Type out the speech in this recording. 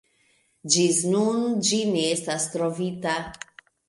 Ĝis nun ĝi ne estas trovita.